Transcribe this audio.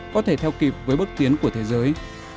có thể theo kịp với bước tiến của thế giới